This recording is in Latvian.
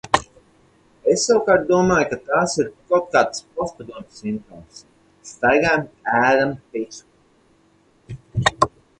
Es, savukārt, domāju, ka tās ir kaut kāds postpadomju sindroms. Staigājam, ēdam picu.